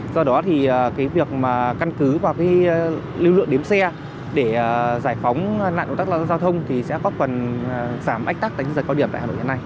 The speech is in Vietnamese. do đó thì cái việc mà căn cứ và cái lưu lượng đếm xe để giải phóng nạn giao thông thì sẽ có phần giảm ách tắc tính giới cao điểm tại hà nội như thế này